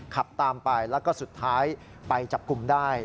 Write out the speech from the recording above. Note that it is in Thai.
ขับตามไปแล้วก็สุดท้ายไปจับกลุ่มได้